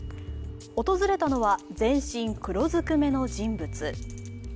訪れたのは、全身黒ずくめ人物。